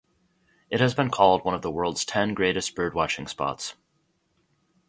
It has been called one of the world's ten greatest bird watching spots.